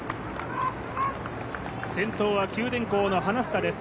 先頭は九電工の花房です。